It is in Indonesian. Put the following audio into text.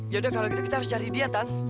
yaudah kalo gitu kita harus cari dia tan